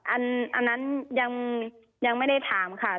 อันนั้นยังไม่ได้ถามค่ะ